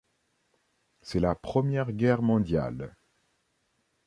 C'est la Première Guerre mondiale.